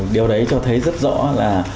điều đấy cho thấy rất rõ là